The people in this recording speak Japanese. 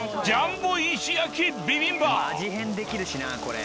変できるしなこれ。